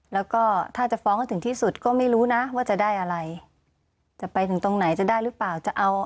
แล้วก็ถ้าจะฟ้องให้ถึงที่สุดก็ไม่รู้นะว่าจะได้อะไรจะไปถึงตรงไหนจะได้หรือเปล่าจะเอา